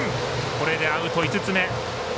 これでアウト５つ目。